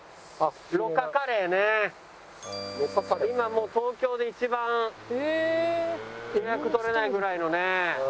今もう東京で一番予約取れないぐらいのね。